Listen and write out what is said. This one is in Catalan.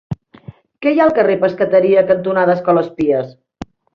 Què hi ha al carrer Pescateria cantonada Escoles Pies?